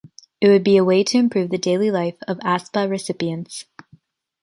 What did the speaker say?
It would be a way to improve the daily life of ASPA recipients.